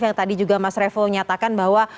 yang tadi juga mas revo nyatakan bahwa